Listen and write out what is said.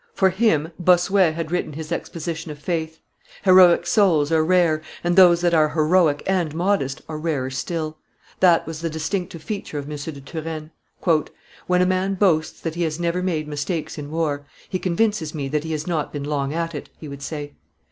For him Bossuet had written his Exposition of faith. Heroic souls are rare, and those that are heroic and modest are rarer still: that was the distinctive feature of M. de Turenne. "When a man boasts that he has never made mistakes in war, he convinces me that he has not been long at it," he would say.